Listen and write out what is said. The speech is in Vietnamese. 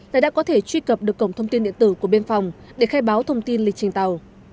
là đã có thể truy cập được cổng thông tin điện tử của biên phòng để khai báo thông tin lịch trình tàu